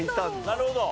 なるほど。